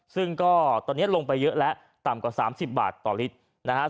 ซึ่งก็ตอนนี้ลงไปเยอะแล้วต่ำกว่า๓๐บาทต่อลิตรนะครับ